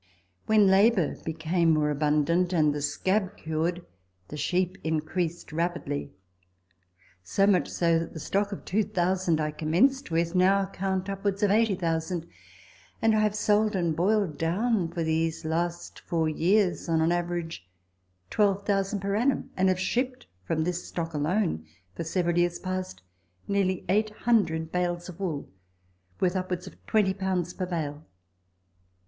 When labour became more abundant, and the scab cured, the sheep increased rapidly, so much so that the stock of 2,000 I commenced with, now count upwards of 80,000, and I have sold and boiled down for these last four years, on an average, 12,000 per annum, and have shipped, from this stock alone, for several years past, nearly 800 bales of wool, worth upwards of 20 per bale.